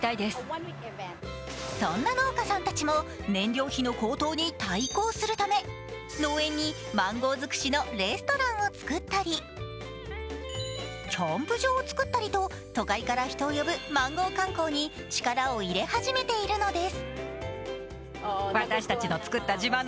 そんな農家さんたちも燃料費の高騰に対抗するため農園にマンゴーづくしのレストランを作ったり、キャンプ場を作ったりと都会から人を呼ぶマンゴー観光に力を入れ始めているのです。